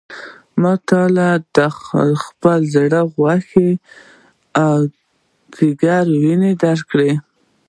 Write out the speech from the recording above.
ما تا له خپل زړه غوښې او ځیګر وینه درکړه.